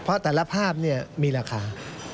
เพราะแต่ละภาพมีราคา